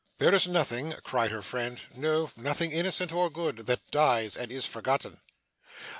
'There is nothing,' cried her friend, 'no, nothing innocent or good, that dies, and is forgotten.